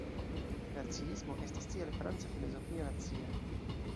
Raciismo estas tial franca filozofio nacia.